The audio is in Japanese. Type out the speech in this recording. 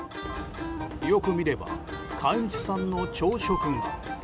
よく見れば飼い主さんの朝食が。